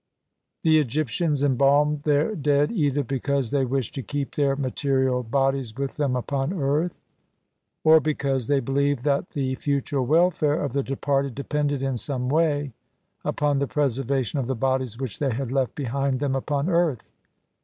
The Egyptians embalmed their dead either because they wished to keep their material bodies with them upon earth, or because they believed that the future welfare of the departed depended in some way upon the preservation of the bodies which they had left behind them upon earth.